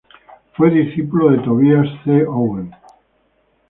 Fue discípulo de Tobías C. Owen.